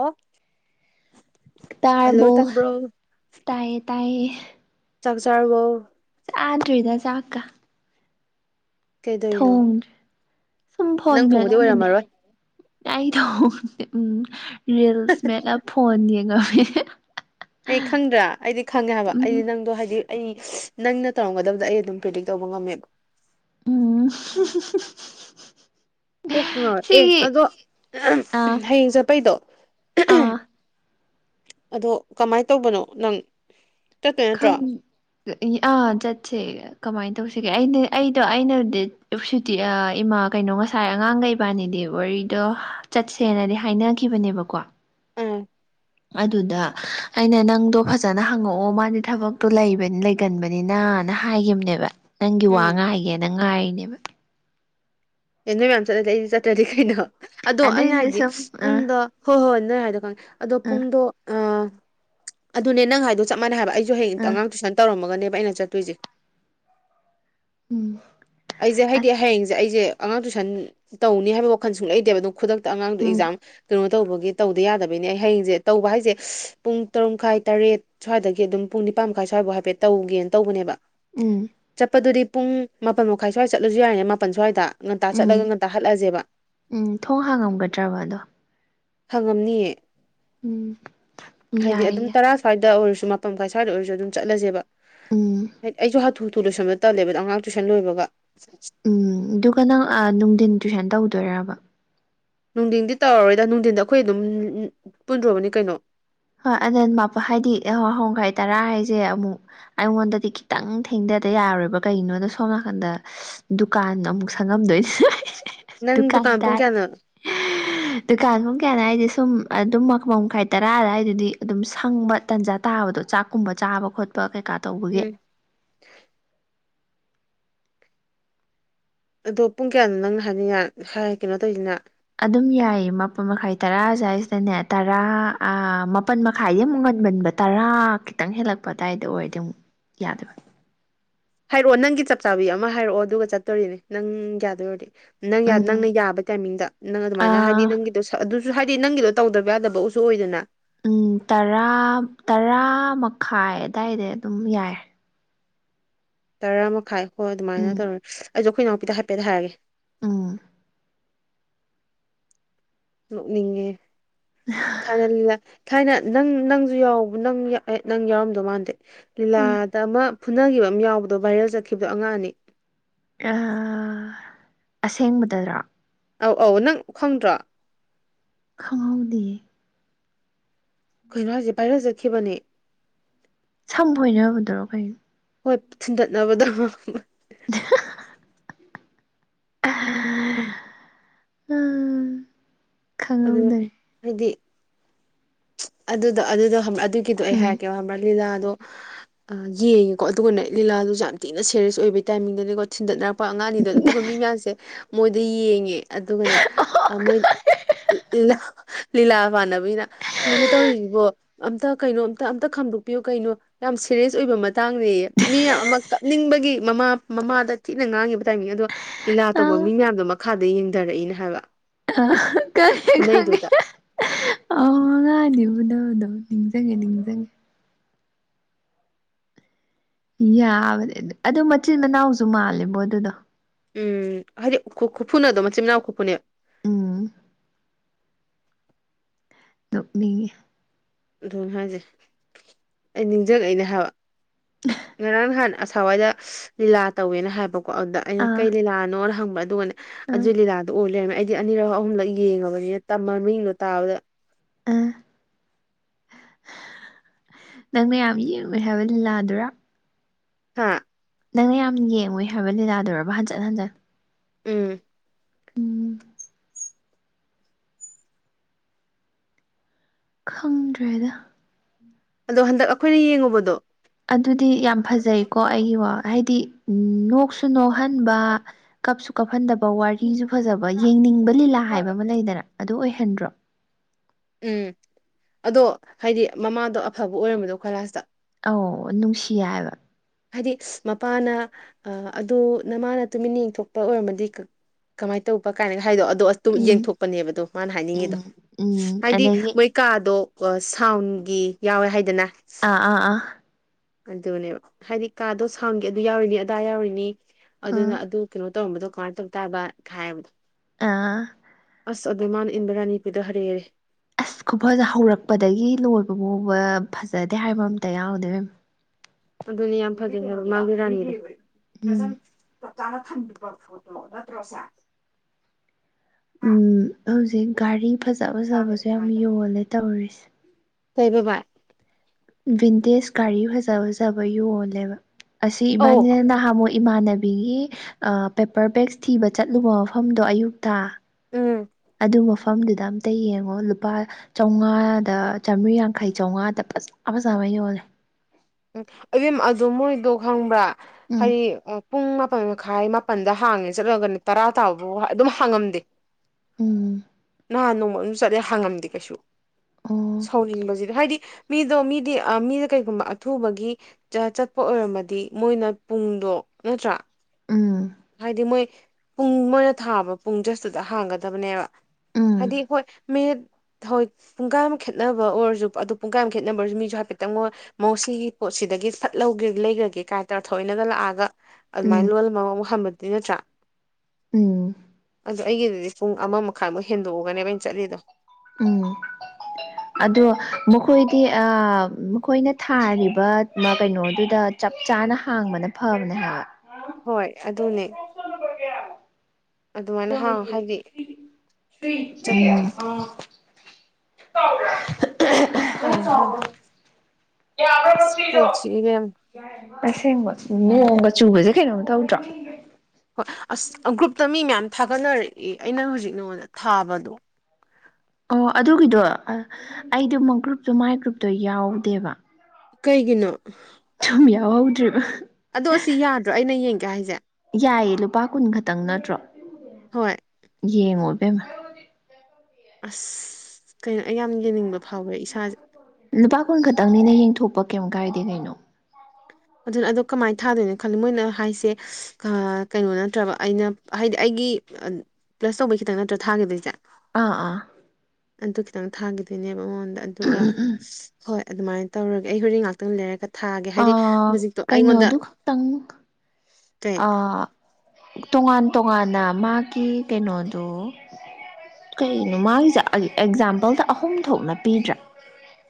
ꯑꯣꯂ ꯇꯔꯕꯣ ꯇꯌꯦ ꯇꯌꯦ ꯆꯥꯛ ꯆꯥꯔꯕꯧ ꯁꯥꯗ꯭ꯔꯔꯤꯗ ꯆꯀ ꯀꯩꯗꯧꯅꯣ ꯁꯐ ꯃꯅꯃꯤꯅꯦ ꯑꯣꯏꯔꯝꯃꯔꯣꯏ ꯑꯩꯗꯣꯡꯦ ꯎꯝ ꯔꯤꯜꯁ ꯃꯂ ꯐꯣꯟ ꯌꯦꯡꯉꯝꯃꯦ ꯑꯩ ꯈꯪꯗ꯭ꯔꯥ ꯑꯩꯗꯤ ꯈꯪꯉꯦ ꯍꯥꯏꯕ ꯎꯝ ꯑꯩꯗꯤ ꯅꯪꯗꯣ ꯍꯥꯏꯗꯤ ꯑꯩ ꯅꯪꯅ ꯇꯧꯔꯝꯒꯗꯕꯗ ꯑꯩ ꯑꯗꯨꯝ ꯄ꯭ꯔꯦꯗꯤꯛ ꯇꯧꯕ ꯉꯝꯃꯦꯕ ꯎꯝ ꯀꯣꯛ ꯉꯕ ꯑꯦ ꯁꯤꯒꯤ ꯑꯗꯣ ꯑꯥ ꯍꯌꯦꯡ ꯆꯠꯄꯩꯗꯣ ꯑꯥ ꯑꯗꯣ ꯀꯃꯥꯏꯅ ꯇꯧꯕꯅꯣ ꯅꯪ ꯆꯠꯇꯣꯏ ꯅꯠꯇ꯭ꯔꯣ ꯈꯪ ꯑꯥ ꯆꯠ ꯆꯦꯒ ꯀꯃꯥꯏꯅ ꯇꯧꯁꯤꯒꯦꯩꯅ ꯑꯩꯗꯣ ꯑꯩꯅꯗꯤ ꯁꯨꯇꯤ ꯏꯃꯥ ꯀꯩꯅꯣ ꯉ ꯉꯁꯥꯏ ꯑꯉꯥꯡꯈꯩꯕꯥꯅꯤꯗꯤ ꯋꯥꯔꯤꯗꯣ ꯆꯠꯁꯦꯅꯗꯤ ꯍꯥꯏꯅꯈꯤꯕꯅꯦꯕꯀꯣ ꯎꯝ ꯑꯗꯨꯗ ꯑꯩꯅ ꯅꯪꯗꯣ ꯐꯖꯅ ꯍꯪꯉꯛꯑꯣ ꯃꯥꯗꯤ ꯊꯕꯛꯇꯣ ꯂꯩꯕꯅꯤ ꯂꯩ ꯀꯟꯕꯅꯤꯅꯅ ꯍꯥꯏꯈꯤꯕꯅꯦꯕ ꯅꯪꯒꯤ ꯋꯥ ꯎꯝ ꯉꯥꯏꯒꯦꯅ ꯉꯥꯏꯔꯤꯅꯦꯕ ꯑꯦ ꯅꯣꯏ ꯃꯌꯥꯝ ꯆꯠꯂꯗꯤ ꯑꯩꯗꯤ ꯆꯠꯇ꯭ꯔꯗꯤ ꯀꯩꯅꯣ ꯑꯗꯣ ꯑꯩꯅ ꯑꯗꯨꯏꯁꯨ ꯍꯥꯏꯗꯤ ꯁꯨꯝ ꯑꯥ ꯄꯨꯡꯗꯣ ꯍꯣꯏ ꯍꯣꯏ ꯅꯣꯏ ꯍꯥꯏꯗꯣ ꯈꯪꯉꯦ ꯑꯗꯣ ꯑꯥ ꯄꯨꯡꯗꯣ ꯑ ꯑꯗꯨꯅꯦ ꯅꯪ ꯍꯥꯏꯗꯣ ꯆꯞ ꯃꯥꯟꯩ ꯍꯥꯏꯕ ꯑꯩꯁꯨ ꯍꯌꯦꯡ ꯑꯥ ꯑꯉꯥꯡ ꯇ꯭ꯨꯏꯁꯟ ꯇꯧꯔꯝꯃꯒꯅꯦꯕ ꯑꯩꯅ ꯆꯠꯇꯣꯏꯁꯦ ꯎꯝ ꯑꯩꯁꯦ ꯍꯥꯏꯗꯤ ꯍꯌꯦꯡꯁꯦ ꯑꯩꯁꯦ ꯑꯉꯥꯡ ꯇꯨꯏꯁꯟ ꯇꯧꯅꯤ ꯍꯥꯏꯕ ꯋꯥꯈꯟ ꯁꯨꯡꯛ ꯂꯩꯇꯦꯕ ꯑꯗꯣ ꯈꯨꯗꯛꯇ ꯑꯉꯥꯡꯗꯨ ꯎꯝ ꯑꯦꯛꯖꯥꯝ ꯀꯩꯅꯣ ꯇꯧꯕꯒꯤ ꯇꯧꯗꯦ ꯌꯥꯗꯕꯩꯅꯦ ꯑꯩ ꯍꯌꯦꯡꯁꯦ ꯇꯧꯕ ꯍꯥꯏꯁꯦ ꯄꯨꯡ ꯇꯔꯨ ꯃꯈꯥꯏ ꯇꯔꯦꯠ ꯁ꯭ꯋꯥꯏꯗꯒꯤ ꯑꯗꯨꯝ ꯄꯨꯡ ꯅꯤꯄꯥꯟ ꯃꯈꯥꯏ ꯁ꯭ꯋꯥꯏꯐꯥꯎ ꯍꯥꯏꯐꯦꯠ ꯇꯧꯒꯦꯅ ꯇꯧꯕꯅꯦꯕ ꯎꯝ ꯆꯠꯄꯗꯨꯗꯤ ꯄꯨꯡ ꯃꯥꯄꯟ ꯃꯈꯥꯏ ꯁ꯭ꯋꯥꯏꯗ ꯆꯠꯂꯁꯨ ꯌꯥꯏꯅꯦ ꯃꯥꯄꯟ ꯁ꯭ꯋꯥꯏꯗ ꯉꯟꯇꯥ ꯎꯝ ꯆꯠꯂꯒ ꯉꯟꯇꯥ ꯍꯜꯂꯛꯁꯦꯕ ꯎꯝ ꯊꯣꯡ ꯍꯥꯡꯉꯝꯒꯗ꯭ꯔꯕ ꯑꯗꯣ ꯍꯪꯉꯝꯅꯤꯌꯦ ꯎꯝ ꯍꯥꯏꯗꯤ ꯑꯗꯨꯝ ꯌꯥꯏꯌꯦ ꯇꯔꯥ ꯁ꯭ꯋꯥꯏꯗ ꯑꯣꯏꯔꯁꯨ ꯃꯄ ꯀꯥꯏ ꯁ꯭ꯏꯗ ꯑꯣꯏꯔꯁꯨ ꯑꯗꯨꯝ ꯆꯠꯂꯁꯦꯕ ꯎꯝ ꯍꯥꯏꯗꯤ ꯑꯩꯁꯨ ꯊꯨ ꯊꯨ ꯂꯣꯏꯁꯟꯕ ꯇꯜꯂꯦꯕ ꯑꯉꯥꯡ ꯇꯨꯏꯁꯟ ꯂꯣꯏꯕꯒ ꯎꯝ ꯑꯗꯨꯒ ꯅꯪ ꯅꯨꯡꯊꯤꯟ ꯇꯨꯏꯁꯟ ꯇꯧꯗꯣꯏꯔꯕ ꯅꯨꯡꯊꯤꯟꯗꯤ ꯇꯧꯔꯔꯣꯏꯗ ꯅꯨꯡꯊꯤꯟꯗ ꯑꯩꯈꯣꯏ ꯑꯗꯨꯝ ꯄꯨꯟꯗ꯭ꯔꯣꯕꯅꯤ ꯀꯩꯅꯣ ꯍꯣꯏ ꯑꯗ ꯃꯄ ꯍꯥꯏꯗꯤ ꯋꯥꯍꯣꯡꯈꯥꯏ ꯇꯔꯥ ꯍꯥꯏꯖ‌ꯦ ꯑꯃꯨꯛ ꯑꯩꯉꯣꯟꯗꯗꯤ ꯈꯤꯇꯪ ꯊꯦꯡꯊꯗ ꯌꯥꯔꯣꯏꯕ ꯀꯩꯒꯤꯅꯣꯗ ꯁꯣꯝ ꯅꯥꯀꯟꯗ ꯗꯨꯀꯥꯟ ꯑꯃꯨꯛ ꯁꯪꯉꯝꯗꯣꯏꯟ [unintelligible] ꯅꯪ ꯗꯨꯀꯥꯟ ꯄꯨꯡ ꯗꯥꯏ ꯀꯌꯥꯅꯣ ꯗꯨꯀꯥꯟ ꯄꯨꯡ ꯀꯌꯥꯗ ꯑꯗꯥꯏꯗ ꯁꯨꯝ ꯑꯗꯨꯝ ꯃꯄꯟ ꯃꯈꯥꯏ ꯇꯔꯥ ꯑꯗꯥꯏꯗ ꯗꯤ ꯑꯗꯨꯝ ꯁꯪꯕ ꯇꯟꯖꯥ ꯇꯥꯕꯗꯣ ꯆꯥꯛꯀꯨꯝꯕ ꯆꯥꯕ ꯈꯣꯠꯄ ꯀꯩꯀꯥ ꯇꯧꯕꯒꯤ ꯎꯝ ꯑꯗꯣ ꯄꯨꯡ ꯀꯌꯥꯅꯣ ꯅꯪꯅ ꯍꯥꯏꯅꯤꯡꯉ ꯍꯥꯏ ꯀꯩꯅꯣ ꯇꯧꯏꯖꯤꯅ ꯑꯗꯨꯝ ꯌꯥꯏꯌꯦ ꯃꯥꯄꯜ ꯃꯈꯥꯏ ꯇꯔꯥ ꯁ꯭ꯋꯥꯏꯁꯤꯗꯅꯦ ꯇꯔꯥ ꯑ ꯃꯥꯄꯟ ꯃꯈꯥꯏꯗꯤ ꯑꯃꯨꯛ ꯉꯟꯃꯟꯕ ꯇꯔꯥ ꯈꯤꯇꯪ ꯍꯦꯜꯂꯛꯄ ꯑꯗꯥꯏꯗ ꯑꯣꯏꯔꯗꯤ ꯑꯃꯨꯛ ꯌꯥꯗ‌ꯣꯏꯕ ꯍꯥꯏꯔꯛꯑꯣ ꯅꯪꯒꯤ ꯆꯞ ꯆꯥꯕꯤ ꯑꯃ ꯍꯥꯏꯔꯛꯑꯣ ꯑꯗꯨꯒ ꯆꯠꯇꯣꯔꯤꯅꯦ ꯅꯪ ꯌꯥꯗꯣ ꯑꯣꯔꯗꯤ ꯅꯪ ꯌꯥ ꯎꯝ ꯅꯪꯅ ꯌꯥꯕ ꯇꯥꯏꯃꯤꯡꯗ ꯅꯪ ꯑ ꯑꯗꯨꯃꯥꯏꯅ ꯍꯥꯏꯗꯤ ꯅꯪꯒꯤꯗꯣ ꯁꯠ ꯑꯗꯨ ꯁꯨ ꯍꯥꯏꯗꯤ ꯅꯪꯒꯤꯗꯣ ꯇꯧꯗꯕ ꯌꯥꯗꯕꯕꯨꯁꯨ ꯑꯣꯏꯗꯅ ꯇꯔꯥ ꯇꯔꯥ ꯃꯈꯥꯏ ꯑꯗꯥꯏꯗ ꯑꯗꯨꯝ ꯌꯥꯏ ꯇꯔꯥ ꯃꯈꯥꯏ ꯍꯣꯏ ꯑꯗꯨꯃꯥꯏꯅ ꯎꯝ ꯇꯧꯔꯁꯤ ꯑꯩꯁꯨ ꯑꯩꯈꯣꯏ ꯏꯅꯥꯎꯄꯤꯗ ꯍꯥꯏꯐꯦꯠ ꯍꯥꯏꯔꯒꯦ ꯎꯝ ꯅ‌ꯣꯛꯅꯤꯡꯉ‌ꯦ [unintelligible] ꯊꯥꯏꯅ ꯂꯤꯂꯥ ꯊꯥꯏꯅ ꯅꯪ ꯅꯪꯁꯨ ꯌꯥꯎ ꯅꯪ ꯅꯪ ꯌꯥꯎꯔꯝꯗꯧ ꯃꯥꯟꯗꯦ ꯂꯤꯂꯥ ꯗ ꯑꯃ ꯐꯨꯅꯈꯤꯕ ꯑꯃ ꯌꯥꯎꯕꯗꯣ ꯚꯥꯏꯔꯦꯜ ꯆꯠꯈꯤꯕꯗꯣ ꯑꯉꯥꯡ ꯑꯅꯤ ꯑ ꯑꯁꯦꯡꯕꯗꯔ‌ꯣ ꯑꯧ ꯑꯧ ꯅꯪ ꯈꯪꯗ꯭ꯔꯣ ꯈꯪꯍꯧꯗꯦ ꯑꯩꯈꯣꯏ ꯍꯥꯥꯏꯁꯦ ꯚꯥꯏꯔ‌ꯦꯜ ꯆꯠꯈꯤꯕꯅꯦ ꯁꯝ ꯐ‌ꯣꯏꯅꯕꯗꯨꯔꯣ ꯀꯩꯅꯣ ꯍꯣꯏ ꯊꯤꯟꯗꯠꯅꯕꯗ‌ꯣ [unintelligible] ꯍꯥ ꯎꯝ ꯑꯗꯨ ꯈꯪꯍꯧꯗꯔꯦ ꯍꯥꯏꯗꯤ ꯑꯗꯨꯗ ꯑꯗꯨꯗ ꯈꯪꯕ꯭ꯔ ꯑꯗꯨꯒꯤꯗꯣ ꯑꯩ ꯎꯝ ꯍꯥꯏꯔꯛꯀꯦ ꯍꯥꯟꯕ꯭ꯔꯥ ꯂꯤꯂꯥꯗꯣ ꯑ ꯌꯦꯡꯉꯦꯀꯣ ꯑꯗꯨꯒꯅ ꯂꯤꯂꯥꯗꯨꯁꯨ ꯌꯥꯝ ꯊꯤꯅ ꯁꯦꯔꯤꯌꯁ ꯑꯣꯏꯕꯒꯤ ꯇꯥꯏꯃꯤꯡꯗꯅꯤꯀꯣ ꯊꯤꯟꯗꯠꯅꯔꯛ ꯄ ꯑꯉꯥꯡꯅꯤꯗꯣ ꯑꯗꯨꯒ ꯃꯤ ꯃꯌꯥꯝꯁꯦ ꯃꯣꯏꯗ ꯌꯦꯡꯉꯦ ꯑꯗꯨꯒꯅꯦ ꯃꯣꯏ ꯏꯂ [unintelligible] ꯂꯤꯂꯥ ꯄꯥꯟꯅꯕꯒꯤꯅ ꯀꯩꯅꯣ ꯇꯧꯔꯤꯁꯤꯕꯣ ꯑꯝꯇ ꯀꯩꯅꯣ ꯑꯝꯇ ꯑꯝꯇ ꯈꯥꯝꯗꯣꯛꯄꯤꯌꯨ ꯀꯩꯅꯣ ꯌꯥꯝ ꯁꯦꯔꯤꯌꯁ ꯑꯣꯏꯕ ꯃꯇꯥꯡꯅꯦ ꯃꯤ ꯑꯃ ꯀꯞꯅꯤꯡꯕꯒꯤ ꯃꯃꯥ ꯃꯃꯥꯗ ꯊꯤꯅ ꯉꯥꯡꯉꯤꯕ ꯇꯥꯏꯃꯤꯡ ꯑꯗꯣ ꯂꯤꯂꯥ ꯑ ꯇꯧꯕ ꯃꯤ ꯃꯌꯥꯝꯗꯣ ꯃꯈꯥꯗ ꯌꯦꯡꯊꯔꯛꯏꯅ‌ꯦ ꯍꯥꯏꯕ ꯑ ꯀꯩ ꯐꯨꯅꯩꯗꯨꯗ ꯈꯪꯉꯦ ꯑꯉꯥꯡꯅꯤꯕꯨ ꯑꯗꯨ ꯑꯗꯨ ꯅꯤꯡꯖꯪꯉꯦ ꯅꯤꯡꯖꯪꯉꯦ ꯌꯥꯕꯅꯦ ꯑꯗꯨ ꯃꯆꯤꯟ ꯃꯅꯥꯎꯁꯨ ꯃꯥꯜꯂꯦꯕꯣ ꯑꯗꯨꯗꯣ ꯎꯝ ꯍꯥꯏꯗꯤ ꯈꯨ ꯈꯨꯐꯨꯅꯗꯣ ꯃꯆꯤꯟ ꯃꯅꯥꯎ ꯈꯨꯐꯨꯅꯦ ꯎꯝ ꯅ‌ꯣꯛꯅꯤꯡꯉ‌ꯦ ꯑꯗꯨꯅꯦ ꯍꯥꯏꯁꯦ ꯑꯩ ꯅꯤꯡꯖꯪꯉꯛꯏꯅꯦ ꯍꯥꯏꯕ ꯉꯔꯥꯡ ꯅꯍꯥꯟ ꯑꯁꯋꯥꯏꯗ ꯂꯤꯂꯥ ꯇꯧꯋꯦꯅ ꯍꯥꯏꯕ ꯀꯣ ꯑꯗꯨꯗ ꯑꯩꯅ ꯑꯥ ꯀꯩ ꯂꯤꯂꯥꯅꯣ ꯍꯪꯕ ꯑꯗꯨꯒꯅꯦ ꯑꯥ ꯑꯗꯨ ꯂꯤꯂꯥꯗ‌ꯣ ꯑꯣꯏ ꯂꯩꯔꯝꯃꯦ ꯑꯩꯗꯤ ꯑꯅꯤꯔꯛ ꯑꯍꯨꯝꯂꯛ ꯌꯦꯡꯉꯕꯅꯤꯅ ꯇ ꯃꯃꯤꯡꯗꯣ ꯇꯥꯕꯗ ꯑꯥ ꯅꯪꯅ ꯌꯥꯝ ꯌꯦꯡꯉꯨꯏ ꯍꯥꯏꯕ ꯂꯤꯂꯥꯗꯨꯔ‌ꯣ ꯍꯥ ꯅꯪꯅ ꯌꯥꯝ ꯌꯦꯡꯉꯨꯏ ꯍꯥꯏꯕ ꯂꯤꯂꯥꯗꯨꯔꯕ ꯍꯟꯖꯟ ꯍꯟꯖꯟ ꯎꯝ ꯈꯪꯗ꯭ꯔꯦꯗ ꯑꯗꯣ ꯍꯟꯗꯛ ꯑꯩꯈꯣꯏꯅ ꯌꯦꯡꯉꯨꯕꯗꯣ ꯑꯗꯨꯗꯤ ꯌꯥꯝ ꯐꯖꯩꯀꯣ ꯑꯩꯒꯤ ꯋꯥ ꯍꯥꯏꯗꯤ ꯅꯣꯛ ꯑꯃꯨꯛꯁꯨ ꯅꯣꯛꯍꯟꯕ ꯀꯞꯁꯨ ꯀꯞꯍꯟꯗꯕ ꯕ ꯋꯥꯔꯤꯁꯨ ꯐꯖꯕ ꯌꯦꯡꯅꯤꯡꯕ ꯂꯤꯂꯥ ꯍꯥꯏꯕ ꯑꯃ ꯂꯩꯗꯅ ꯑꯗꯨ ꯑꯣꯏꯍꯟꯗ꯭ꯔꯣ ꯎꯝ ꯑꯗꯣ ꯍꯥꯏꯗꯤ ꯃꯃꯥꯗꯣ ꯑꯐꯕ ꯑꯣꯏꯔꯝꯕꯗꯣ ꯈꯋ꯭ꯥꯏ ꯂꯥꯁꯇ ꯑꯧ ꯅꯨꯡꯁꯤ ꯍꯥꯏꯕ ꯍꯥꯏꯗꯤ ꯃꯄꯥꯅ ꯑꯗꯨ ꯅꯃꯥꯅ ꯇꯨꯃꯤꯟꯅ ꯌꯦꯡꯊꯣꯛꯄ ꯑꯣꯏꯔꯝꯃꯗꯤ ꯀꯃꯥꯏ ꯇꯧꯕ ꯀꯥꯏꯅꯒ ꯍꯥꯏꯗꯣ ꯑꯗꯣ ꯑꯗꯨꯝ ꯎꯝ ꯌꯦꯡꯊꯣꯛꯄꯅꯦꯕꯗꯣ ꯃꯥꯅ ꯍꯥꯏꯅꯤꯡꯉꯤꯗꯣ ꯎꯝ ꯍꯥꯏꯗꯤ ꯑꯗꯒꯤ ꯃꯣꯏ ꯀꯥꯗꯣ ꯁꯥꯎꯟꯒꯤ ꯌꯥꯎꯋꯦ ꯍꯥꯏꯗꯅ ꯑꯥ ꯑꯥ ꯑꯥ ꯑꯗꯨꯅꯦꯕ ꯍꯥꯏꯗꯤ ꯀꯥꯗꯣ ꯁꯥꯎꯟꯒꯤ ꯑꯗꯨ ꯌꯥꯎꯔꯤꯅꯤ ꯑꯗꯥ ꯌꯥꯎꯔꯤꯅꯤ ꯎꯝ ꯑꯗꯨꯅ ꯑꯗꯨ ꯀꯩꯅꯣ ꯇꯧꯔꯝꯕꯗꯣ ꯀꯃꯥꯏ ꯇꯧ ꯇꯥꯕ ꯍꯥꯏꯕꯗꯣ ꯑ ꯑꯁ ꯑꯗꯣ ꯃꯥꯅ ꯏꯟꯕ ꯔꯥꯅꯤꯐꯤꯗꯣ ꯍꯥꯔꯦ ꯍꯥꯔꯦ ꯑꯁ ꯈꯨꯐꯖ ꯍꯧꯔꯛꯄꯗꯒꯤ ꯂꯣꯏꯕꯐꯥꯎꯕ ꯐꯖꯗꯦ ꯍꯥꯏꯕ ꯑꯝꯇ ꯌꯥꯎꯗꯦ ꯕꯦꯝ ꯑꯗꯨꯅꯤ ꯌꯥꯝ ꯐꯖꯩ ꯍꯥꯏꯕ ꯃꯥꯒꯤ ꯔꯥꯅꯤꯗꯣ ꯎꯝ [unintelligible] ꯎꯝ ꯍꯧꯖꯤꯛ ꯒꯥꯔꯤ ꯐꯖ ꯐꯖꯕꯁꯨ ꯌꯥꯝ ꯌꯣꯜꯂꯦ ꯇꯧꯔꯤꯁꯦ [unintelligible] ꯚꯤꯟꯇꯦꯖ ꯒꯥꯔꯤ ꯐꯖ ꯐꯖꯕ ꯌꯣꯜꯂꯦꯕ ꯑꯁꯤ ꯑꯧ ꯏꯕꯥꯅꯤꯅ ꯅꯥꯍꯟꯃꯨꯛ ꯏꯃꯥꯟꯅꯕꯤꯒꯤ ꯄꯦꯄꯔ ꯕꯦꯛꯁ ꯊꯤꯕ ꯆꯠꯂꯨꯕ ꯃꯐꯝꯗꯣ ꯑꯌꯨꯛꯇ ꯎꯝ ꯑꯗꯨ ꯃꯐꯝꯗꯨꯗ ꯑꯝꯇ ꯌꯦꯡꯉꯣ ꯂꯨꯄꯥ ꯆꯥꯝꯃꯉꯥꯗ ꯆꯥꯝꯃꯔꯤ ꯌꯥꯡꯈꯩ ꯆꯥꯝꯃꯉꯥꯗ ꯐꯖ ꯐꯖꯕ ꯌꯣꯜꯂꯦ ꯎꯝ ꯏꯕꯦꯝꯃ ꯑꯗꯣ ꯃꯣꯏꯗꯣ ꯈꯪꯕ꯭ꯔꯥ ꯎꯝ ꯍꯥꯏꯗꯤ ꯄꯨꯡ ꯃꯥꯄꯟ ꯃꯈꯥꯏ ꯃꯥꯄꯟꯗ ꯍꯥꯡꯉꯦ ꯆꯠꯂꯒꯅꯦ ꯇꯔꯥ ꯇꯥꯕꯐꯥꯎ ꯑꯗꯨꯝ ꯍꯥꯡꯉꯝꯗꯦ ꯎꯝ ꯅ ꯅꯣꯡꯃ ꯑꯗꯨꯝ ꯆꯠꯂꯦ ꯍꯥꯡꯉꯝꯗꯦ ꯀꯩꯁꯨ ꯑꯣ ꯁꯧꯅꯤꯡꯕꯁꯤꯗꯤ ꯍꯥꯏꯗꯤ ꯃꯤꯗꯣ ꯃꯤꯗꯤ ꯃꯤꯅ ꯀꯩꯒꯨꯝꯕ ꯊꯨꯕꯒꯤ ꯆꯠꯄ ꯑꯣꯏꯔꯝꯃꯗꯤ ꯃꯣꯏꯅ ꯄꯨꯡꯗꯣ ꯅꯠꯇ꯭ꯔꯥ ꯎꯝ ꯍꯥꯏꯗꯤ ꯃꯣꯏ ꯄꯨꯡ ꯃꯣꯏꯅ ꯊꯥꯕ ꯄꯨꯡ ꯖꯁꯇꯨꯗ ꯍꯥꯡꯒꯗꯕꯅꯦꯕ ꯎꯝ ꯍꯥꯏꯗꯤ ꯍꯣꯏ ꯃꯤꯠ ꯍꯣꯏ ꯄꯨꯡꯒꯥꯏ ꯑꯃ ꯈꯦꯠꯅꯕ ꯑꯣꯏꯔꯁꯨ ꯑꯗꯨ ꯄꯨꯡꯒꯥꯏ ꯑꯃ ꯈꯦꯠꯅꯕꯔꯁꯨ ꯃꯤꯁꯨ ꯍꯥꯏꯐꯦꯠꯇꯪ ꯃꯣꯏ ꯃꯣ ꯁꯤꯒꯤ ꯄꯣꯠꯁꯤꯗꯒꯤ ꯐꯠ ꯂꯩꯈ꯭ꯔꯒꯦ ꯀꯥꯏꯅ ꯇꯧꯔ ꯊꯧꯑꯣꯏꯟꯀꯤꯒ ꯂꯥꯛꯑꯒ ꯎꯝ [unintelligible] ꯎꯝ ꯑꯗꯣ ꯑꯩꯒꯤꯗꯨꯗꯤ ꯄꯨꯡ ꯑꯃ ꯃꯈꯥꯏꯃꯨꯛ ꯍꯦꯟꯗꯣꯛꯑꯒꯅꯦꯕ ꯑꯩꯅ ꯆꯠꯂꯤꯗꯣ ꯎꯝ ꯑꯗꯣ ꯃꯈꯣꯏꯗꯤ ꯑꯥ ꯃꯈꯣꯏꯅ ꯊꯥꯔꯤꯕ ꯀꯩꯅꯣꯗꯨꯗ ꯆꯞ ꯆꯥꯅ ꯍꯥꯡꯕꯅ ꯐꯕꯅ ꯍꯥꯏꯕ ꯍꯣꯏ ꯑꯗꯨꯅꯦ [unintelligible] [unintelligible] ꯑꯗꯨꯃꯥꯏꯅ ꯎꯝ ꯍꯥꯡ ꯍꯥꯏꯗꯤ ꯆꯠ [unintelligible] [unintelligible] ꯀꯣꯛ ꯎꯝ ꯆꯤꯛꯑꯦ ꯏꯕꯦꯝꯃ ꯑꯁꯦꯡꯕ ꯅꯣꯡꯒ ꯆꯨꯕꯁꯦ ꯀꯩꯅꯣꯝ ꯇꯧꯗ꯭ꯔꯣ ꯍꯣꯏ ꯑꯁ ꯒ꯭ꯔꯨꯞꯇ ꯃꯤ ꯃꯌꯥꯝ ꯊꯥꯒꯠꯅꯔꯛꯏ ꯑꯩꯅ ꯍꯧꯖꯤꯛ ꯅꯉꯣꯟꯗ ꯊꯥꯕꯗꯣ ꯑꯣ ꯑꯗꯨꯒꯤꯗꯣ ꯑꯩꯗꯨ ꯒ꯭ꯔꯨꯞꯇꯣ ꯃꯥꯏ ꯒ꯭ꯔꯨꯞꯇꯣ ꯌꯥꯎꯗꯦꯕ ꯀꯩꯒꯤꯅꯣ ꯁꯨꯝ ꯌꯥꯎꯍꯧꯗ꯭ꯔꯤꯕ ꯑꯗꯣ ꯑꯁꯤ ꯌꯥꯗ꯭ꯔꯣ ꯑꯩꯅ ꯌꯦꯡꯒꯦ ꯍꯥꯏꯁꯦ ꯌꯥꯏꯌꯦ ꯂꯨꯄꯥ ꯀꯨꯟ ꯈꯛꯇꯪ ꯅꯠꯇ꯭ꯔꯣ ꯍꯣꯏ ꯌꯦꯡꯉꯣ ꯏꯕꯦꯝꯃ ꯑꯁ ꯀꯩꯅꯣ ꯑꯩ ꯌꯥꯝ ꯌꯦꯡꯅꯤꯡꯕ ꯐꯥꯎꯋꯦ ꯏꯁꯥꯁꯦ ꯂꯨꯄꯥ ꯀꯨꯟ ꯈꯛꯇꯪꯅꯤꯅ ꯌꯦꯡꯊꯣꯛꯄ ꯀꯦꯝ ꯀꯥꯏꯗꯦ ꯀꯩꯅꯣ ꯑꯗꯨꯅ ꯑꯗꯣ ꯀꯃꯥꯏꯅ ꯊꯥꯗꯣꯏꯅꯣ ꯈꯜꯂꯤ ꯃꯣꯏꯅ ꯍꯥꯏꯁꯦ ꯑ ꯀꯩꯅꯣ ꯅꯠꯇ꯭ꯔꯕ ꯑꯩꯅ ꯍꯥꯏꯗꯤ ꯑꯩꯒꯤ ꯄ꯭ꯂꯁ ꯇꯧꯕꯩ ꯈꯤꯇꯪ ꯅꯠꯇ꯭ꯔꯥ ꯊꯥꯈꯤꯗꯣꯏꯁꯦ ꯑꯥ ꯑꯥ ꯑꯗꯨ ꯈꯤꯇꯪ ꯊꯥꯈꯤꯗꯣꯏꯅꯦꯕ ꯃꯉꯣꯟꯗ ꯑꯗꯨꯒ ꯑ ꯍꯣꯏ ꯑꯗꯨꯃꯥꯏꯅ ꯇꯧꯔꯒꯦ ꯑꯩ ꯍꯣꯔꯦꯟ ꯉꯥꯛꯇꯪ ꯂꯩꯔꯒ ꯊꯥꯒꯦ ꯍꯥꯏꯗꯤ ꯍꯧꯖꯤꯛꯇꯣ ꯀꯩꯅꯣ ꯑꯩꯉꯣꯟꯗ ꯑꯗꯨ ꯈꯛꯇꯪ ꯀꯩ ꯇꯣꯉꯥꯟ ꯇꯣꯉꯥꯟꯅ ꯃꯥꯒꯤ ꯀꯩꯅꯣꯗꯨ ꯀꯩꯅꯣ ꯃꯥꯒꯤꯁꯦ ꯑꯦꯛꯖꯥꯝꯄꯜꯗ ꯑꯍꯨꯝ ꯊꯣꯛꯅ ꯄꯤꯗ꯭ꯔꯥ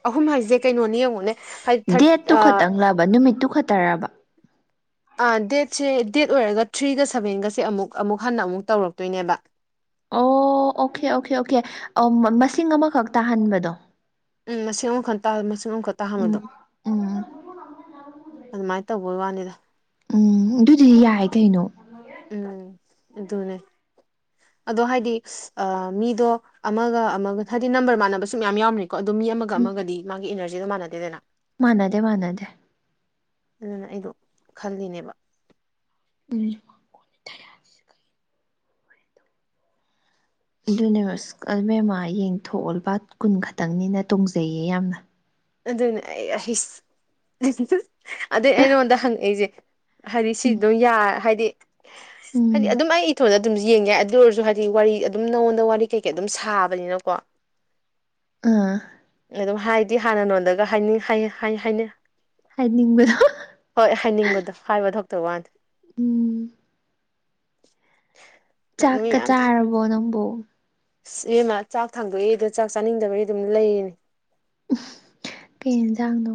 ꯑꯍꯨꯝ ꯍꯥꯏꯁꯦ ꯀꯩꯅꯣꯅꯤ ꯌꯦꯡꯉꯣꯅꯦ ꯍꯥꯏꯗꯤ ꯗꯦꯠꯇꯨ ꯊꯥꯔꯠ ꯈꯛꯇꯪꯪꯂꯕ ꯅꯨꯃꯤꯠꯇꯨ ꯈꯛꯇꯔꯕ ꯑ ꯗꯦꯠꯁꯦ ꯗꯦꯠ ꯑꯣꯏꯔꯒ ꯊ꯭ꯔꯤꯒ ꯁꯕꯦꯟꯒꯁꯦ ꯑꯃꯨꯛ ꯑꯃꯨꯛ ꯍꯟꯅ ꯑꯃꯨꯛ ꯇꯧꯔꯛꯇꯣꯏꯅꯦꯕ ꯑꯣ ꯑꯣꯀꯦ ꯑꯣꯀꯦ ꯑꯣꯀꯦ ꯃꯁꯤꯡ ꯑꯃꯈꯛ ꯇꯥꯍꯟꯕꯗꯣ ꯎꯝ ꯃꯁꯤꯡ ꯑꯃꯈꯛ ꯃꯁꯤꯡ ꯑꯃꯨꯈꯛ ꯎꯝ ꯇꯥꯍꯟꯕꯗꯣ ꯎꯝ ꯑꯗꯨꯃꯥꯏꯅ ꯇꯧꯕꯒꯤ ꯋꯥꯅꯤꯗ ꯎꯝ ꯑꯗꯨꯗꯤ ꯌꯥꯏ ꯀꯩꯅꯣ ꯎꯝ ꯑꯗꯨꯅꯦ ꯑꯗꯣ ꯍꯥꯏꯗꯤ ꯑ ꯃꯤꯗꯣ ꯑꯃꯒ ꯑꯃꯒ ꯍꯥꯏꯗꯤ ꯅꯝꯕꯔ ꯃꯥꯟꯅꯕꯁꯨ ꯃꯌꯥꯝ ꯌꯥꯎꯔꯝꯅꯤ ꯀꯣ ꯑꯗꯨꯣ ꯃꯤ ꯑꯃꯒ ꯑꯃꯒꯗꯤ ꯃꯥꯒꯤ ꯏꯅꯔꯖꯤꯗꯣ ꯃꯥꯟꯅꯗꯦꯗꯅ ꯃꯥꯅꯥꯗꯦ ꯃꯅꯥꯗꯦ ꯑꯗꯨꯅ ꯑꯩꯗꯣ ꯈꯜꯂꯤꯅꯦꯕ ꯎꯝ ꯑꯗꯨꯅꯦꯕ ꯏꯃꯦꯝꯃꯥ ꯌꯦꯡꯊꯣꯛꯑꯣ ꯂꯨꯄꯥ ꯀꯨꯟ ꯈꯛꯇꯪꯅꯤꯅ ꯇꯣꯡꯖꯩꯌꯦ ꯌꯥꯝꯅ ꯑꯗꯨꯅꯦ ꯑꯩꯁ ꯑꯗꯨꯏ ꯑꯩꯉꯣꯟꯗ ꯍꯪꯉꯛꯏꯁꯦ ꯍꯥꯏꯗꯤ ꯁꯤ ꯎꯝ ꯑꯗꯨꯝ ꯌꯥ ꯍꯥꯏꯗꯤ ꯍꯥꯏꯗꯤ ꯎꯝ ꯑꯗꯨꯝ ꯑꯩ ꯏꯊꯣꯟꯗ ꯑꯗꯨꯝ ꯌꯦꯡꯉꯦ ꯑꯗꯨ ꯑꯣꯏꯔꯁꯨ ꯍꯥꯏꯗꯤ ꯋꯥꯔꯤ ꯑꯗꯨꯝ ꯅꯉꯣꯟꯗ ꯋꯥꯔꯤ ꯀꯩꯀꯩ ꯑꯗꯨꯝ ꯁꯥꯕꯅꯤꯅꯀꯣ [inaudible] ꯑꯥ ꯑꯗꯨꯝ ꯍꯥꯏꯗꯤ ꯍꯥꯟꯅ ꯅꯣꯟꯗꯒ ꯍꯥꯏꯅꯤꯡ ꯍꯥꯏꯅꯤ ꯍꯥꯏꯅꯤꯡꯕꯗꯣ ꯍꯣꯏ ꯍꯥꯏꯅꯤꯡꯕꯗꯣ ꯍꯥꯏꯕ ꯊꯣꯛꯇꯕ ꯋꯥꯅꯤ ꯎꯝ [inaudible] ꯆꯥꯛꯀ ꯆꯥꯔꯕꯣ ꯅꯪꯕꯨꯣ ꯑꯦꯃ ꯆꯥꯛ ꯊꯥꯡꯗꯣꯛꯏ ꯑꯗꯣ ꯆꯥꯛ ꯆꯥꯅꯤꯡꯗꯕꯒꯤ ꯑꯗꯨꯝ ꯂꯩꯌꯦꯅꯦ ꯀꯩ ꯌꯦꯟꯁꯥꯡꯗꯣ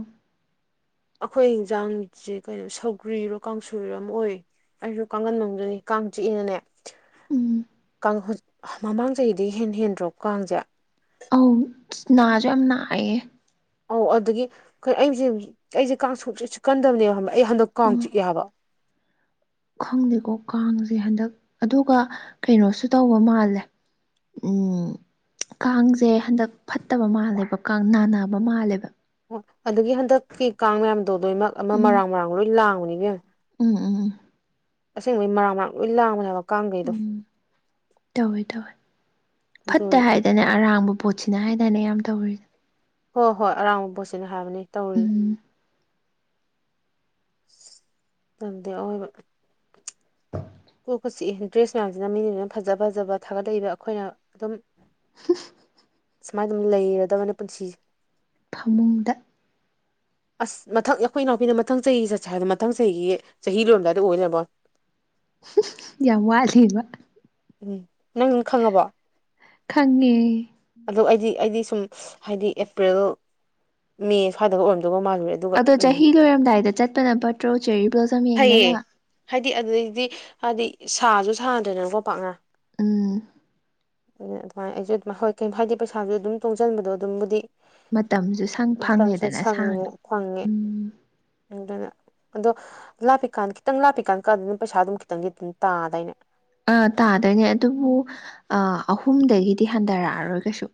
ꯑꯩꯈꯣꯏ ꯌꯦꯟꯖꯥꯡꯁꯦ ꯀꯩꯅꯣ ꯁꯧꯒ꯭ꯔꯤꯔꯣ ꯀꯥꯡꯁꯣꯏꯔꯣ ꯑꯃ ꯑꯣꯏ ꯑꯩꯁꯨ ꯀꯥꯡꯒꯟ ꯃꯗꯨꯅꯤ ꯀꯥꯡ ꯆꯤꯛꯏꯅꯅꯦ ꯎꯝ ꯃꯃꯥꯡ ꯆꯍꯤꯗꯤ ꯍꯦꯟ ꯍꯦꯟꯗ꯭ꯔꯣ ꯀꯥꯡꯁꯦ ꯑꯧ ꯅꯥꯁꯨ ꯌꯥꯝ ꯅꯥꯏꯌꯦ ꯑꯧ ꯑꯗꯨꯗꯒꯤ ꯑꯩꯣꯏ ꯑꯩꯁꯦ ꯑꯩꯁꯦ ꯀꯥꯡꯛꯀꯟꯗꯕꯅꯦꯕ ꯑꯩ ꯍꯟꯗꯛ ꯀꯥꯡ ꯎꯝ ꯆꯤꯛꯑꯦ ꯍꯥꯏꯕ ꯈꯪꯗꯦꯀꯣ ꯀꯥꯡꯁꯦ ꯍꯟꯗꯛ ꯑꯗꯨꯒ ꯀꯩꯅꯣꯁꯨ ꯇꯧꯕ ꯃꯥꯜꯂꯦ ꯀꯥꯡꯁꯦ ꯍꯟꯗꯛ ꯐꯠꯇꯕ ꯃꯥꯜꯂꯦꯕ ꯀꯥꯡ ꯅꯥꯟꯅꯕ ꯃꯥꯜꯂꯦꯕ ꯑꯣ ꯑꯗꯨꯒꯤ ꯍꯟꯗꯛꯀꯤ ꯀꯥꯡ ꯃꯌꯥꯝꯗꯣ ꯂꯣꯏꯅꯃꯛ ꯑꯃ ꯃꯔꯥꯡ ꯃꯔꯥꯡ ꯂꯣꯏ ꯂꯥꯡꯕꯅꯦꯕꯦꯝ ꯎꯝ ꯎꯝ ꯎꯝ ꯑꯁꯦꯡꯕꯩ ꯃꯔꯥꯡ ꯃꯔꯡ ꯂꯣꯏ ꯂꯥꯡꯕꯅꯦꯕꯥ ꯎꯝ ꯇꯧꯋꯦ ꯇꯧꯋꯦ ꯐꯠꯇꯦ ꯑꯗꯨꯅꯤ ꯍꯥꯏ ꯅꯦ ꯑꯔꯥꯡꯕ ꯄꯣꯠꯁꯤꯅ ꯍꯥꯏꯗꯅ ꯌꯥꯝ ꯇꯧꯔꯤꯗ ꯍꯣ ꯍꯣꯏ ꯑꯔꯥꯡꯕ ꯄꯣꯠꯁꯤꯅ ꯍꯥꯏꯕꯅꯦ ꯇꯧꯔꯤ ꯎꯝ ꯇꯟꯗꯦ ꯑꯋꫭꯏꯕ ꯀꯣꯛꯀ ꯆꯤꯛꯏ ꯗ꯭ꯔꯦꯁ ꯃꯌꯥꯝꯁꯤꯅ ꯃꯤꯡꯁꯤꯅ ꯐꯖ ꯐꯖꯕ ꯊꯥꯒꯠꯂꯛꯏꯕ ꯑꯩꯈꯣꯏꯅ ꯑꯗꯨꯝ [unintelligible] ꯁꯨꯃꯥꯏꯅ ꯑꯗꯨꯝ ꯂꯩꯔꯗꯕꯅꯤ ꯄꯨꯟꯁꯤꯁ ꯐꯃꯨꯡꯗ ꯑꯁ ꯃꯊꯪ ꯑꯩꯈꯣꯏ ꯏꯅꯥꯎꯄꯤꯅ ꯃꯊꯪ ꯆꯍꯤ ꯆꯠꯁꯦ ꯍꯥꯏꯕꯗꯣ ꯃꯊꯪ ꯆꯍꯤꯒꯤ ꯆꯍꯤ ꯂꯣꯏꯔꯝꯗꯥꯏꯗ ꯑꯣꯏ ꯂꯩꯔꯝꯕ ꯋꯥꯅꯦ ꯌꯥꯝ ꯋꯥꯠꯂꯤꯕ ꯎꯝ ꯅꯪꯪ ꯈꯪꯉꯕꯣ ꯈꯪꯉꯦ ꯑꯗꯣ ꯑꯩꯗꯤ ꯑꯩꯗꯤ ꯁꯨꯝ ꯍꯥꯏꯗꯤ ꯑꯦꯄ꯭ꯔꯤꯜ ꯃꯦ ꯁ꯭ꯋꯥꯏꯗꯒ ꯑꯣꯏꯔꯝꯗꯧꯕ ꯃꯥꯜꯂꯨꯔꯦ ꯑꯗꯨꯒ ꯑꯗꯣ ꯎꯝ ꯆꯍꯤ ꯂꯣꯏꯔꯝꯗꯥꯏꯗ ꯆꯠꯄꯅ ꯐꯠꯇ꯭ꯔꯣ ꯆꯦꯔꯤ ꯕ꯭ꯂꯣꯖꯝ ꯐꯩꯌꯦ ꯌꯦꯡꯅꯕ ꯍꯥꯏꯗꯤ ꯑꯗꯨꯗꯩꯗꯤ ꯍꯥꯏꯗꯤ ꯁꯥꯁꯨ ꯁꯥꯗ꯭ꯔꯦꯅꯀꯣ ꯄꯥꯛꯅ ꯎꯝ ꯑꯗꯨ ꯑꯗꯨꯃꯥꯏꯅ ꯑꯩꯁꯨ ꯑꯗꯨꯥꯏ ꯍꯣꯏ ꯍꯥꯏꯗꯤ ꯄꯩꯁꯥꯁꯨ ꯑꯗꯨꯝ ꯇꯣꯡꯁꯤꯟꯕꯗꯣ ꯑꯗꯨꯝꯕꯨꯗꯤ ꯃꯇꯝꯁꯨ ꯁꯪ ꯃꯇꯝꯁꯨ ꯐꯪꯉꯦꯗꯅ ꯁꯪꯉ ꯁꯥꯡꯅ ꯈ꯭ꯡꯉꯦ ꯎꯝ ꯑꯗꯨꯅ ꯑꯗꯣ ꯂꯥꯞꯄꯤꯀꯥꯟꯗ ꯈꯤꯇꯪ ꯂꯥꯞꯄꯤꯀꯥꯟꯗ ꯀꯛꯑꯥꯗꯤ ꯑꯗꯨꯝ ꯄꯩꯁꯥ ꯑꯗꯨꯝ ꯈꯤꯇꯪꯗꯤ ꯑꯗꯨꯝ ꯇꯥꯗꯥꯏꯅꯦ ꯑꯥ ꯇꯥꯗꯣꯏꯅꯦ ꯑꯗꯨꯕꯨ ꯑꯍꯨꯝꯗꯒꯤꯗꯤ ꯍꯟꯊꯔꯛꯑꯔꯣꯏ ꯀꯩꯁꯨ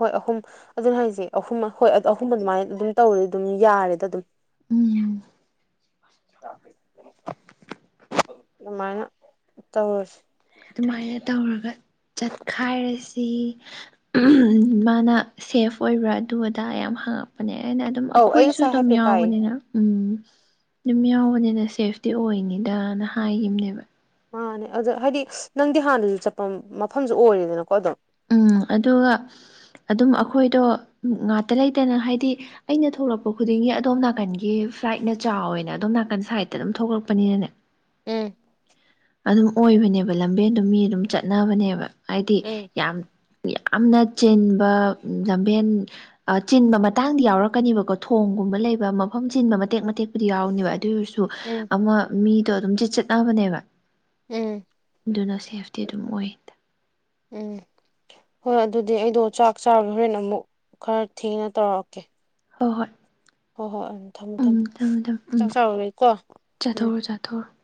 ꯍꯣꯏ ꯑꯍꯨꯝ ꯑꯗꯨꯅꯦ ꯍꯥꯏꯁꯦ ꯑꯍꯨꯝ ꯍꯣꯏ ꯑꯍꯨꯝ ꯑꯗꯨꯃꯥꯏꯅ ꯑꯗꯨꯝ ꯇꯧꯔꯦ ꯑꯗꯨꯝ ꯌꯥꯔꯦꯗ ꯑꯗꯨꯝ ꯎꯝ [inaudible] ꯑꯗꯨꯃꯥꯏꯅ ꯇꯧꯔꯁꯤ ꯑꯗꯨꯃꯥꯏꯅ ꯇꯧꯔꯒ ꯆꯠꯈꯥꯏꯔꯁꯤ ꯃꯥꯅ ꯁꯦꯐ ꯑꯣꯏꯕ꯭ꯔꯥ ꯑꯗꯨ ꯑꯗꯥ ꯌꯥꯝ ꯍꯪꯉꯛꯄ ꯄꯅꯦ ꯑꯩꯅ ꯑꯗꯨꯝ ꯑꯧ ꯑꯩ ꯑꯩꯈꯣꯏꯁꯨ ꯉꯁꯥꯏ ꯑꯗꯨꯝ ꯍꯥꯏꯐꯦꯠ ꯇꯥꯏꯌꯦ ꯌꯥꯎꯕꯅꯤꯅ ꯎꯝ ꯑꯗꯨꯝ ꯌꯥꯎꯕꯅꯤꯅ ꯁꯦꯐꯇꯤ ꯑꯣꯏꯅꯤꯗꯅ ꯍꯥꯏꯈꯤꯕꯅꯦꯕ ꯃꯥꯅꯦ ꯑꯗ ꯍꯥꯏꯗꯤ ꯅꯪꯗꯤ ꯍꯥꯟꯅꯁꯨ ꯆꯠꯄ ꯃꯐꯝꯁꯨ ꯑꯣꯏꯔꯦꯗꯅꯀꯣ ꯑꯗꯨꯝ ꯎꯝ ꯑꯗꯨꯒ ꯑꯗꯨꯝ ꯑꯩꯈꯣꯏꯗꯣ ꯉꯥꯛꯇ ꯂꯩꯇꯅ ꯍꯥꯏꯗꯤ ꯑꯩꯅ ꯊꯣꯛꯂꯛꯄ ꯈꯨꯗꯤꯡꯒꯤ ꯑꯗꯣꯝ ꯅꯥꯀꯟꯒꯤ ꯐ꯭ꯂꯥꯏꯠꯅ ꯆꯥꯎꯋꯦꯅꯦ ꯑꯗꯣꯝ ꯅꯥꯀꯟ ꯁꯥꯏꯠꯇ ꯑꯗꯨꯝ ꯊꯣꯛꯂꯛꯄꯅꯤꯅꯅꯦ ꯎꯝ ꯑꯗꯨꯝ ꯑꯣꯏꯕꯅꯦꯕ ꯂꯝꯕꯦꯟꯗꯣ ꯃꯤ ꯑꯗꯨꯝ ꯆꯠꯅꯕꯅꯦꯕ ꯍꯥꯏꯗꯤ ꯎꯝ ꯌꯥꯝ ꯌꯥꯝꯅ ꯆꯤꯟꯕ ꯂꯝꯕꯦꯟ ꯆꯤꯟꯕ ꯃꯇꯥꯡꯗꯤ ꯌꯥꯎꯔꯛꯀꯅꯤꯕꯀꯣ ꯊꯣꯡꯒꯨꯝꯕ ꯂꯩꯕ ꯃꯐꯝ ꯆꯤꯟꯕ ꯃꯇꯦꯛ ꯃꯇꯦꯛꯄꯨꯗꯤ ꯌꯥꯎꯔꯅꯤꯕ ꯑꯗꯨ ꯑꯣꯏꯔꯁꯨ ꯎꯝ ꯑꯃ ꯃꯤꯗꯣ ꯑꯗꯨꯝ ꯆꯠ ꯆꯠꯅꯕꯅꯦꯕ ꯎꯝ ꯗꯨꯅ ꯁꯦꯞꯇꯤ ꯑꯗꯨꯝ ꯑꯣꯏ ꯎꯝ ꯍꯣꯏ ꯑꯗꯨꯗꯤ ꯑꯩꯗꯣ ꯆꯥꯛ ꯆꯔꯨꯒꯦ ꯍꯣꯔꯦꯟ ꯑꯃꯨꯛ ꯈꯔ ꯊꯦꯡꯅ ꯇꯧꯔꯛꯀꯦ ꯍꯣ ꯍꯣꯏ ꯍꯣꯏ ꯍꯣꯏ ꯎꯝ ꯊꯝꯃꯣ ꯎꯝ ꯊꯝꯃꯣ ꯊꯝꯃꯦ ꯊꯝꯃꯦ ꯎꯝ ꯆꯥꯛ ꯆꯥꯔꯨꯒꯦꯀꯣ ꯎꯝ [unintelligible]